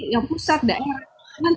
yang pusat daerah